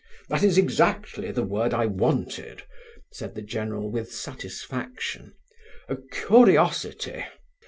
"That is exactly the word I wanted," said the general with satisfaction—"a curiosity.